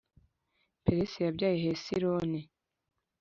Peresi yabyaye Hesironi,